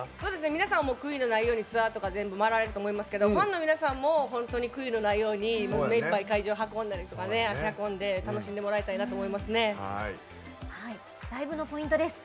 皆さんも悔いのないようにツアーとか回られたと思いますけどファンの皆さんも本当に悔いのないように目いっぱい会場に足運んで楽しんでもらいたいなとライブのポイントです。